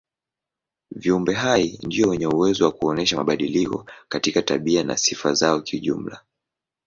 Viumbe hai ndio wenye uwezo wa kuonyesha mabadiliko katika tabia na sifa zao kijumla.